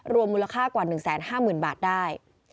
มูลค่ากว่า๑๕๐๐๐บาทได้